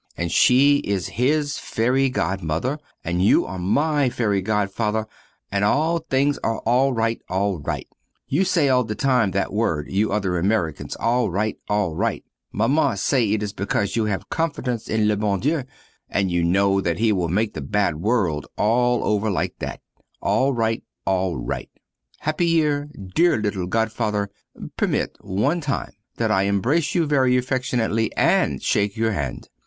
And she is his ferry godmother, and you are my ferry godfather and all things are al rite, al rite! You say all the time that word, you other Americans, al rite, al rite. Maman say it is because you have confidence in the bon Dieu, and you know that He will make the bad world all over like that: Al rite, al rite! Happy Year! dear little godfather. Permit, one time, that I embrace you very affectuously, and shake your hand.